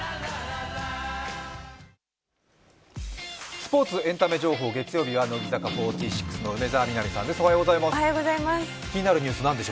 スポーツ・エンタメ情報、月曜日は乃木坂４６の梅澤美波さんです。